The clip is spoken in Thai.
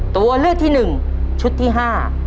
ตัวเลือกที่หนึ่งชุดที่ห้า